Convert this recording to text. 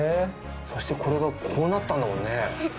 そしてこれがこうなったんだもんね。